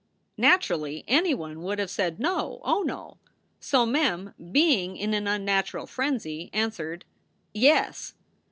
" Naturally, anyone would have said, "No! Oh, no!" So Mem, being in an unnatural frenzy, answered, "Yes."